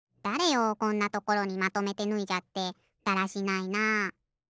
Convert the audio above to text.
だれよこんなところにまとめてぬいじゃってだらしないな。